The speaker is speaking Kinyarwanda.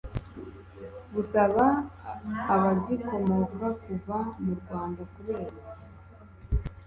busaba abagikomoka kuva mu rwanda kubera